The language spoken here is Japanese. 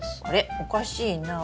おかしいなあ。